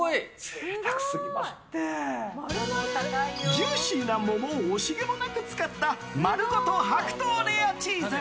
ジューシーな桃を惜しげもなく使った丸ごと白桃レアチーズ。